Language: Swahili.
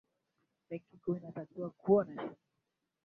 benki kuu inatakiwa kuonesha utendaji kazi wa pamoja